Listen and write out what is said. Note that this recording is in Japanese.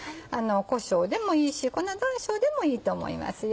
こしょうでもいいし粉ざんしょうでもいいと思いますよ。